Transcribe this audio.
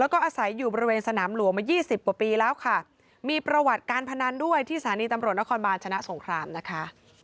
แล้วก็อาศัยอยู่บริเวณสนามหลวงมายี่สิบกว่าปีแล้วค่ะมีประวัติการพนันด้วยที่สถานีตำรวจนครบาลชนะสงครามนะคะ